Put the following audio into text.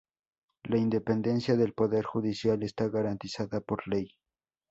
La independencia del poder judicial está garantizada por ley.